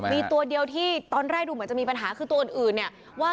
นี่นี่นี่นี่นี่นี่นี่นี่นี่นี่นี่